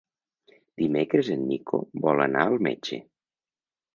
Dimecres en Nico vol anar al metge.